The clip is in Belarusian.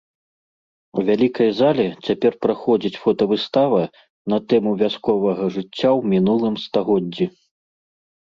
У вялікай зале цяпер праходзіць фотавыстава на тэму вясковага жыцця ў мінулым стагоддзі.